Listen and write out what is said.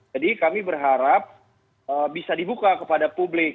jadi kami berharap bisa dibuka kepada publik